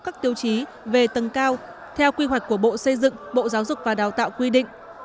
các tiêu chí về tầng cao theo quy hoạch của bộ xây dựng bộ giáo dục và đào tạo quy định